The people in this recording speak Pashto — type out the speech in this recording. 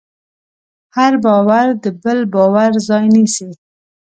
هر باور د بل باور ځای نيسي.